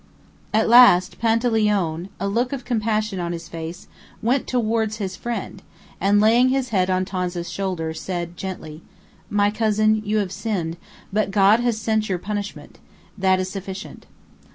At last Pantaleone, a look of compassion on his face, went towards his friend, and, laying his head on Tonza's shoulder, said gently: "My cousin, you have sinned, but God has sent your punishment; that is sufficient.